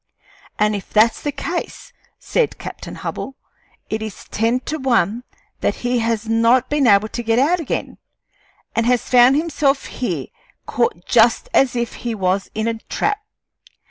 "And if that's the case," said Captain Hubbell, "it is ten to one that he has not been able to get out again, and has found himself here caught just as if he was in a trap.